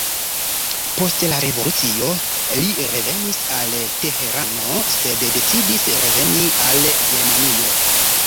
Post la revolucio li revenis al Teherano sed decidis reveni al Germanujo.